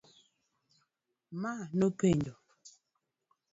Ma nopenje